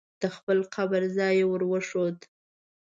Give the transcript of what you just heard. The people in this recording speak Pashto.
د خپل قبر ځای یې ور وښود.